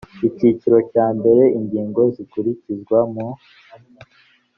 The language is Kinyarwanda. icyiciro cya mbere ingingo zikurizwa mu